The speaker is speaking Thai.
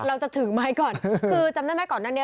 เราจะถือไม้ก่อนคือจำได้ไหมก่อนหน้านี้